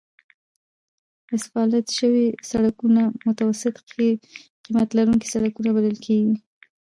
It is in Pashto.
اسفالت شوي سړکونه متوسط قیمت لرونکي سړکونه بلل کیږي